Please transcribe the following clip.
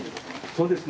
そうですね。